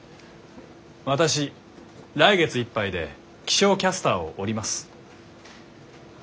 私来月いっぱいで気象キャスターを降ります。